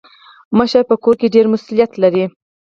مشر په کور کي ډير مسولیت لري.